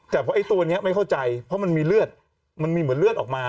แต่เพราะไอ้ตัวนี้ไม่เข้าใจเพราะมันมีเลือดมันมีเหมือนเลือดออกมา